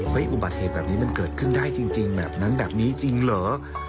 อุบัติเหตุแบบนี้มันเกิดขึ้นได้จริงแบบนั้นแบบนี้จริงเหรอ